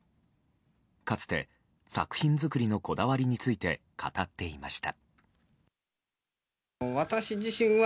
かつて作品作りのこだわりについて語っていました。